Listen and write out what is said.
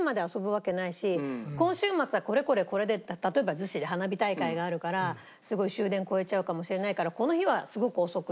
今週末はこれこれこれで例えば逗子で花火大会があるから終電越えちゃうかもしれないからこの日はすごく遅くなります。